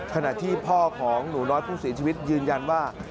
ที่พ่อของหนูน้อยผู้เสียชีวิตยืนยันว่า